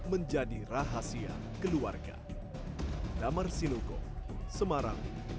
menjadi rahasia keluarga